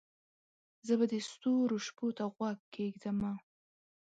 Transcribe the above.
زه به د ستورو شپو ته غوږ کښېږدمه